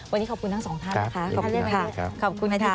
วันนี้ขอบคุณทั้งสองท่านนะคะขอบคุณค่ะสวัสดีค่ะยินดีค่ะขอบคุณค่ะ